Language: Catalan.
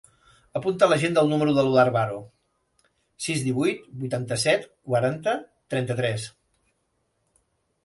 Apunta a l'agenda el número de l'Eduard Varo: sis, divuit, vuitanta-set, quaranta, trenta-tres.